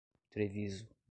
Treviso